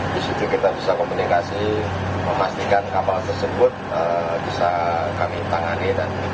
di situ kita bisa komunikasi memastikan kapal tersebut bisa kami tangani